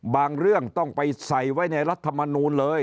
เรื่องต้องไปใส่ไว้ในรัฐมนูลเลย